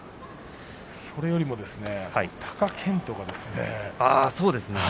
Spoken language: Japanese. それよりも貴健斗がですね。